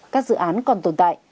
các dự án còn tồn tại